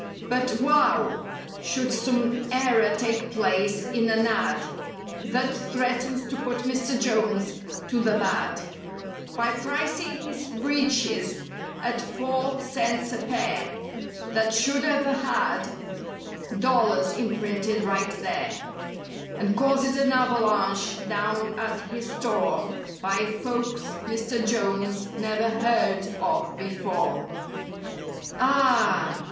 But, wow! Should some error take place in an ad. That threatens to put Mr. Jones to the bad By pricing his breeches at "4 CENTS A PAIR" no That should have had "DOLLARS" imprinted right there, And causes an avalanche down at his store By folks Mr. Jones never heard of before— AH!